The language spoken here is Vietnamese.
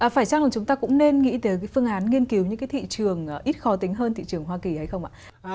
phải chăng là chúng ta cũng nên nghĩ tới cái phương án nghiên cứu những cái thị trường ít khó tính hơn thị trường hoa kỳ hay không ạ